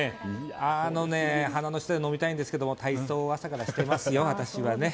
花の下で飲みたいんですけど体操を朝からしてますよ、私は。